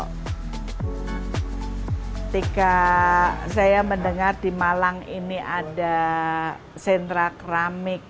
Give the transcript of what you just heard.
ketika saya mendengar di malang ini ada sentra keramik